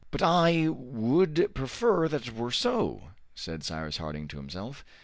"But I would prefer that it were so," said Cyrus Harding to himself.